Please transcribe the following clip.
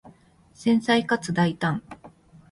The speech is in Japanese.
繊細かつ大胆